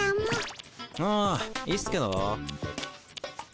あいいっすけど。